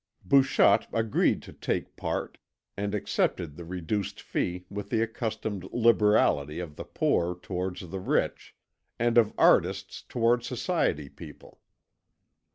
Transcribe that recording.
Bouchotte agreed to take part, and accepted the reduced fee with the accustomed liberality of the poor towards the rich and of artists towards society people.